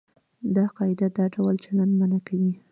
دا قاعده دا ډول چلند منع کوي.